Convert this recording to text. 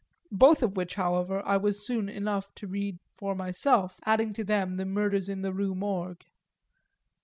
both of which, however, I was soon enough to read for myself, adding to them The Murders in the Rue Morgue.